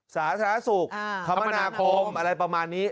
สาธารณสุขคมนาคมอะไรประมาณนี้